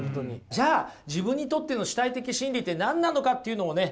じゃあ自分にとっての主体的真理って何なのかっていうのをね